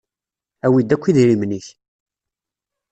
Awi-d akk idrimen-ik!